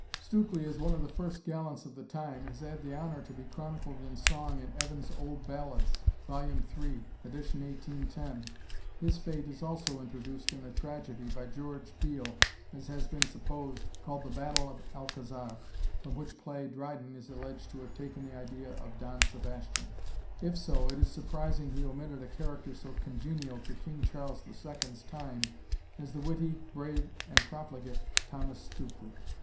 Stukely, as one of the first gallants of the time, has had the honour to be chronicled in song, in Evans' Old Ballads, vol. iii, edition 1810. His fate is also introduced in a tragedy, by George Peel, as has been supposed, called the Battle of Alcazar, from which play Dryden is alleged to have taken the idea of Don Sebastian; if so, it is surprising he omitted a character so congenial to King Charles the Second's time as the witty, brave, and profligate Thomas Stukely.